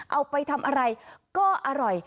เอาไปทำอะไรก็อร่อย